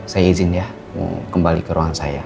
saya izin ya kembali ke ruangan saya